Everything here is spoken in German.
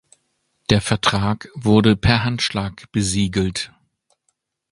Der Vertrag wurde per Handschlag besiegelt.